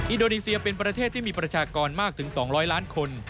อินโดนีเซียเป็นประเทศที่มีประชากรมากถึง๒๐๐ล้านคน